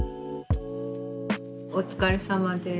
お疲れさまです。